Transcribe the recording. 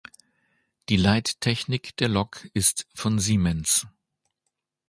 Die Leittechnik der Lok ist von Siemens.